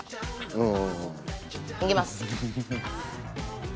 うん？